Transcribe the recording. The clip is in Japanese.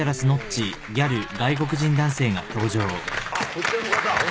こちらの方。